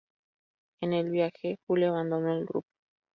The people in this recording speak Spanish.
En el viaje, Jule abandonó el grupo.